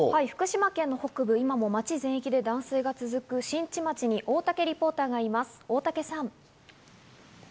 福島県の北部、今も町全域で断水が続く新地町に大竹リポーターがいます、大竹さん。